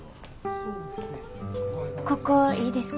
ここいいですか？